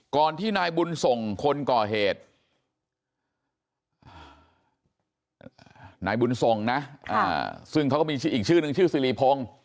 ที่นายบุญส่งคนก่อเหตุนายบุญส่งนะซึ่งเขาก็มีชื่ออีกชื่อนึงชื่อสิริพงศ์